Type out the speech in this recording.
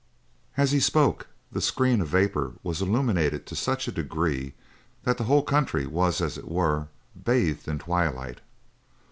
As he spoke the screen of vapor was illuminated to such a degree that the whole country was as it were bathed in twilight.